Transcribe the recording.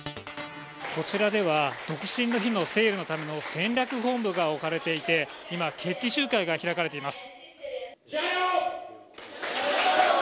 こちらでは、独身の日のセールのための戦略本部が置かれていて、今、決起集会が開かれています。